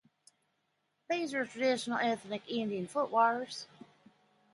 These are the traditional ethnic Indian Footwear.